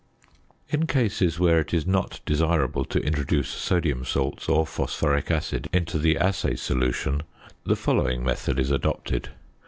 In cases where it is not desirable to introduce sodium salts or phosphoric acid into the assay solution, the following method is adopted.